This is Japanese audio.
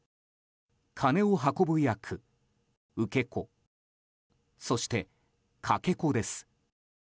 金を運ぶ役、受け子そして、かけ子です。